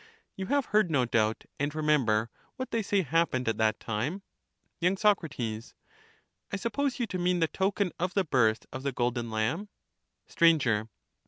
You have strahc«r. heard, no doubt, and remember what they say happened at ^^ates. that time ? y. Sac. I suppose you to mean the token of the birth of the golden lamb. ^69 S/r.